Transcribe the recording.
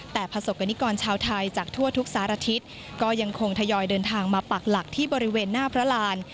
แต่ประสบกรณิกรชาวไทยจากทั่วทุกสารทิศก็ยังคงทยอยเดินทางมาปักหลักที่บริเวณหน้าพระราน